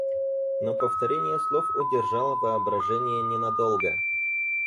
Но повторение слов удержало воображение не надолго.